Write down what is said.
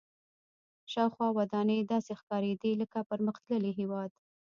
شاوخوا ودانۍ داسې ښکارېدې لکه پرمختللي هېواد.